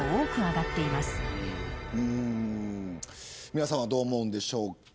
皆さんはどう思うでしょうか。